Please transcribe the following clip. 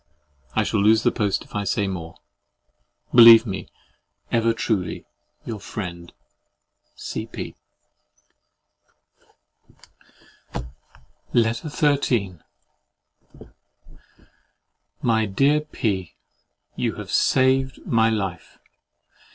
—I shall lose the post if I say more. Believe me, Ever truly your friend, C. P. LETTER XIII My dear P——, You have saved my life.